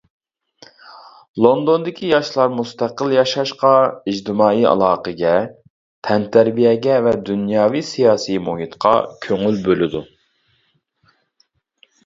لوندوندىكى ياشلار مۇستەقىل ياشاشقا، ئىجتىمائىي ئالاقىگە، تەنتەربىيەگە ۋە دۇنياۋى سىياسىي مۇھىتقا كۆڭۈل بولىدۇ.